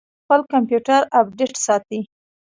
خپل کمپیوټر اپډیټ ساتئ؟